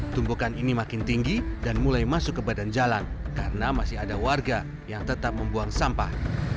tumbukan ini makin tinggi dan mulai masuk ke badan jalan karena masih ada warga yang tetap membuang sampah